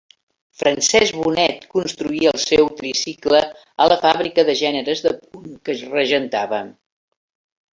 Francesc Bonet construí el seu tricicle a la fàbrica de gèneres de punt que regentava.